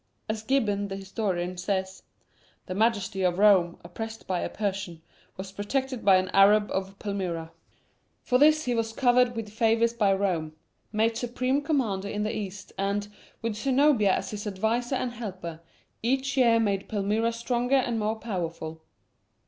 As Gibbon, the historian says: "The majesty of Rome, oppressed by a Persian, was protected by an Arab of Palmyra." For this he was covered with favors by Rome; made supreme commander in the East, and, with Zenobia as his adviser and helper, each year made Palmyra stronger and more powerful.